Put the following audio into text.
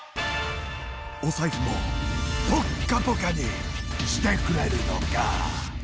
お財布もぽっかぽかにしてくれるのか！？